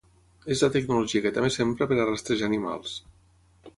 És la tecnologia que també s'empra per a rastrejar animals.